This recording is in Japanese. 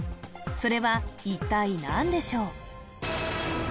それは一体何でしょう？